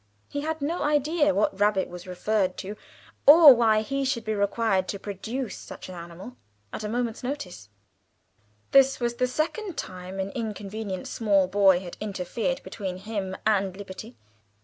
He had no idea what rabbit was referred to, or why he should be required to produce such an animal at a moment's notice. This was the second time an inconvenient small boy had interfered between him and liberty.